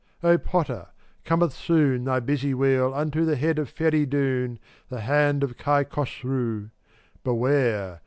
460 O Potter! cometh soon Thy busy wheel unto The head of Feridoun, The hand of Kai Krossu. Beware!